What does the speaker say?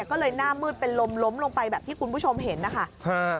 ก็เลยหน้ามืดเป็นลมล้มลงไปแบบที่คุณผู้ชมเห็นนะคะ